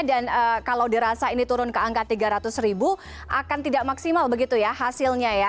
dan kalau dirasa ini turun ke angka tiga ratus ribu akan tidak maksimal begitu ya hasilnya ya